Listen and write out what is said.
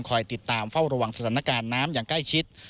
ติดตามเฝ้าระวังสถานการณ์น้ำอย่างใกล้ชิด